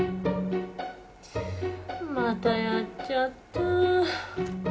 またやっちゃった。